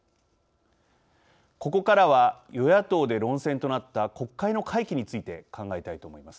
ここからは与野党で論戦となった国会の会期について考えたいと思います。